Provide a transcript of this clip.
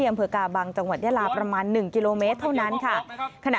อย่างพื้นที่อำเภอกาบังจังหวัดแยลาประมาณ๑กิโลเมตรเท่านั้น